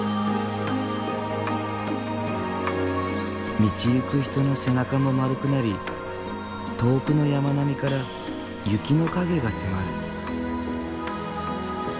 道行く人の背中も丸くなり遠くの山並みから雪の影が迫る。